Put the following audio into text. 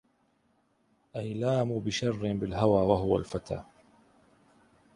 أيلام بشر بالهوى وهو الفتى